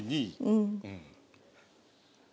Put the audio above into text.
うん。